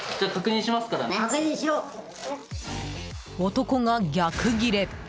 男が逆ギレ。